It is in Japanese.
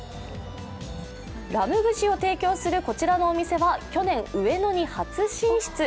ラム串を提供するこちらのお店は去年、上野に初進出。